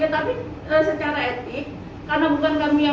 tapi secara etik karena bukan kami yang